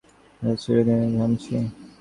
আমি সিঁড়ি দিয়ে নিচে নামছি।